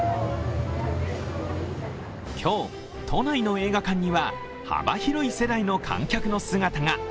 今日、都内の映画館には幅広い世代の観客の姿が。